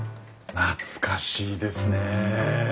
懐かしいですね。